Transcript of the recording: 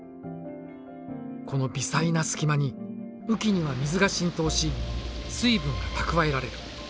この微細な隙間に雨季には水が浸透し水分が蓄えられる。